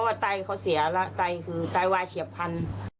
ว่าไตเขาเสียแล้วไตคือไตว่าเฉียบพัน